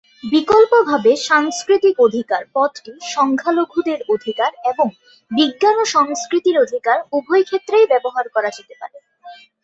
বিকল্পভাবে, "সাংস্কৃতিক অধিকার" পদটি সংখ্যালঘুদের অধিকার এবং বিজ্ঞান ও সংস্কৃতির অধিকার উভয়ই ক্ষেত্রেই ব্যবহার করা যেতে পারে।